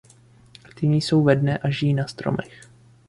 Aktivní jsou ve dne a žijí na stromech.